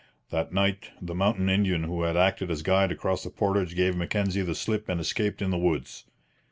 That night the mountain Indian who had acted as guide across the portage gave Mackenzie the slip and escaped in the woods.